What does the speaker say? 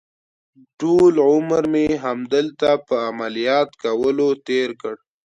ټول عمر مې همدلته په عملیات کولو تېر کړ.